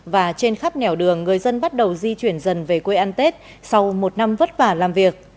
và trên khắp nẻo đường người dân bắt đầu di chuyển dần về quê ăn tết sau một năm vất vả làm việc